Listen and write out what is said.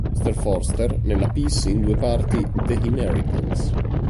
M. Forster nella pièce in due parti "The Inheritance".